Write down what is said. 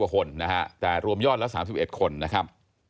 ๓๐กว่าคนนะครับแต่รวมยอดละ๓๑คนนะครับ